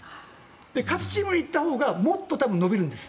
勝つチームにいったほうがもっと伸びるんです。